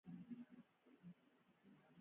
او دغسې د ديني سبق پۀ وجه